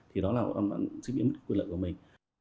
thì đó là sự biến mất quyền lợi của mình